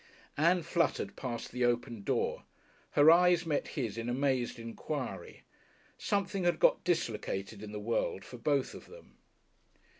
Ann fluttered past the open door. Her eyes met his in amazed enquiry. Something had got dislocated in the world for both of them....